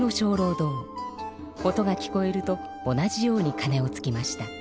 音が聞こえると同じようにかねをつきました。